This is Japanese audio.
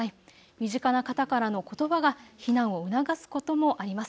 身近な方からのことばが避難を促すこともあります。